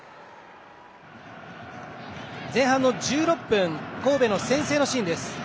前半の１６分神戸の先制のシーンです。